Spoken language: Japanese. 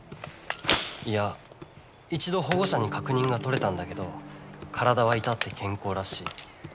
いや一度保護者に確認が取れたんだけど体は至って健康らしい。